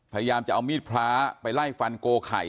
พยายามจะเอามีดพระไปไล่ฟันโกไข่